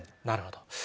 なるほど。